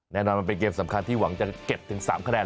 แน่นอนมันเป็นเกมสำคัญที่หวังจะเก็บถึง๓คะแนน